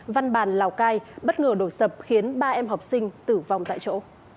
văn bàn lào cai bất ngờ đổ sập khiến ba em học sinh tử vong tại chỗ